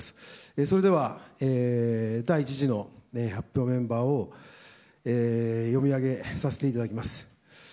それでは第１次の発表メンバーを呼び上げさせていただきます。